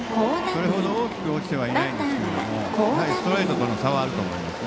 それほど大きく落ちてはいないんですがストレートとの差はあると思います。